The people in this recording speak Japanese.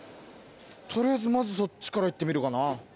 取りあえずまずそっちからいってみるかな。